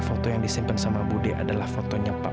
sampai jumpa di video selanjutnya